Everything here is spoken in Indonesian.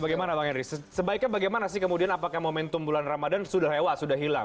bagaimana bang henry sebaiknya bagaimana sih kemudian apakah momentum bulan ramadhan sudah lewat sudah hilang